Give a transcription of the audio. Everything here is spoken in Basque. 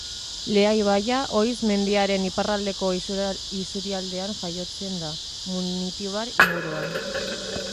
Lea ibaia Oiz mendiaren iparraldeko isurialdean jaiotzen da, Munitibar inguruan.